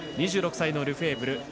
２６歳のルフェーブル。